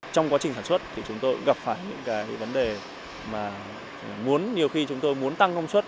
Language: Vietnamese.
trong quá trình sản xuất chúng tôi gặp phải những vấn đề mà nhiều khi chúng tôi muốn tăng công suất